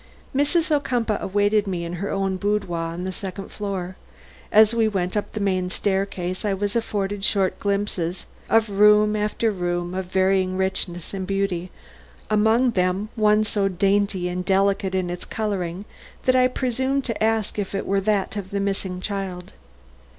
Mrs. Ocumpaugh awaited me in her own boudoir on the second floor. As we went up the main staircase I was afforded short glimpses of room after room of varying richness and beauty, among them one so dainty and delicate in its coloring that I presumed to ask if it were that of the missing child.